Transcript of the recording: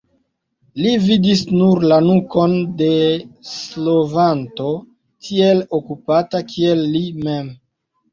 Li vidis nur la nukon de slovanto tiel okupata kiel li mem.